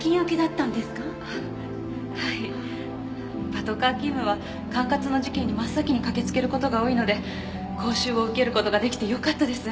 パトカー勤務は管轄の事件に真っ先に駆けつける事が多いので講習を受ける事が出来てよかったです。